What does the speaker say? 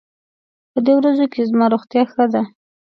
په دې ورځو کې زما روغتيا ښه ده.